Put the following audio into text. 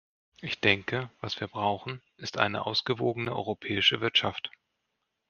Ich denke, was wir brauchen, ist eine ausgewogene europäische Wirtschaft.